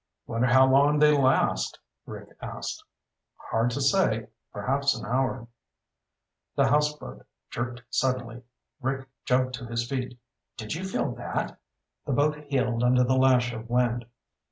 '" "Wonder how long they last?" Rick asked. "Hard to say. Perhaps an hour." The houseboat jerked suddenly. Rick jumped to his feet. "Did you feel that?" The boat heeled under the lash of wind.